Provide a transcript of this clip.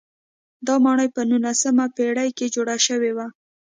دا ماڼۍ په نولسمې پېړۍ کې جوړه شوې وه.